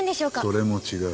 それも違う。